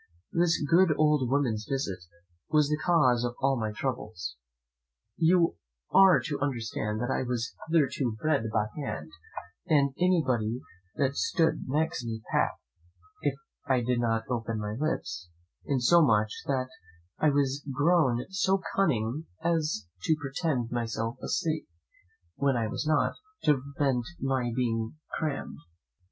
This good old woman's visit was the cause of all my troubles. You are to understand that I was hitherto bred by hand, and anybody that stood next gave me pap, if I did but open my lips; insomuch that I was grown so cunning as to pretend myself asleep when I was not, to prevent my being crammed.